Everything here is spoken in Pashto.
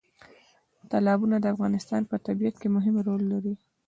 تالابونه د افغانستان په طبیعت کې مهم رول لري.